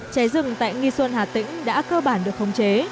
cháy rừng tại nghi xuân hà tĩnh đã cơ bản được khống chế